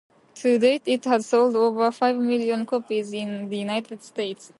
To date, it has sold over five million copies in the United States.